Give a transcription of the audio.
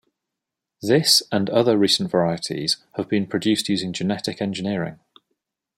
This and other recent varieties have been produced using genetic engineering.